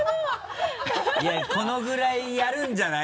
このぐらいやるんじゃない？